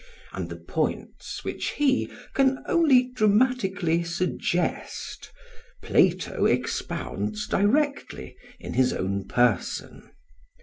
And the points which he can only dramatically suggest, Plato expounds directly in his own person.